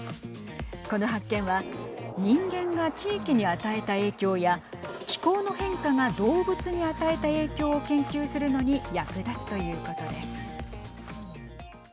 この発見は人間が地域に与えた影響や気候の変化が動物に与えた影響を研究するのに役立つということです。